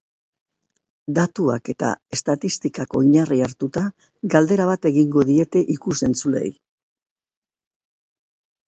Datuak eta estatistikak oinarri hartuta, galdera bat egingo diete ikus-entzuleei.